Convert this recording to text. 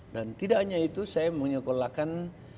dan tidak hanya itu saya menyekolahkan